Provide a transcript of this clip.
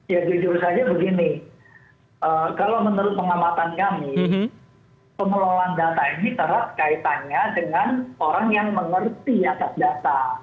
ya jujur saja begini kalau menurut pengamatan kami pengelolaan data ini terap kaitannya dengan orang yang mengerti atas data